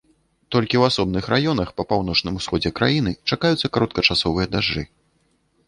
Толькі ў асобных раёнах па паўночным усходзе краіны чакаюцца кароткачасовыя дажджы.